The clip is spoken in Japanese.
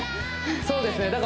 そうですねだ